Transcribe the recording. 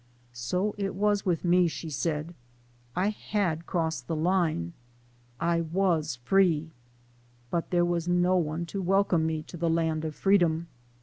" So it was with me," she said. " I had crossed the line. I was/ree / but there was no one to wel come me to the land of freedom.